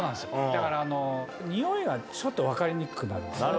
だから、においがちょっと分かりにくくなるんですよね。